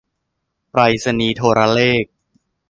ไปรษณีย์โทรเลข